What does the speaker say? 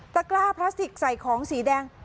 กล้าพลาสติกใส่ของสีแดง